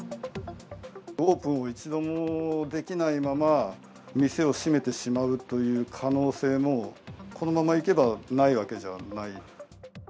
オープンを一度もできないまま、店を閉めてしまうという可能性も、このままいけばないわけじゃない。